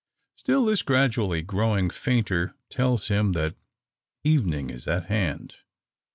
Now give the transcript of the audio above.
Still, this gradually growing fainter, tells him that evening is at hand.